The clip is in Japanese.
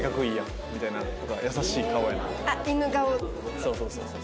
そうそうそうそう。